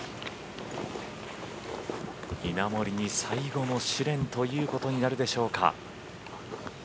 稲森に最後の試練ということになるでしょうか。